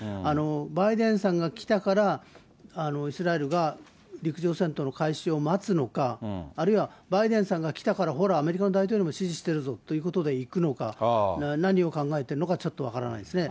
バイデンさんが来たから、イスラエルが陸上戦闘の開始を待つのか、あるいはバイデンさんが来たからほら、アメリカの大統領も支持してるぞっていうことでいくのか、何を考えてるのかちょっと分からないですね。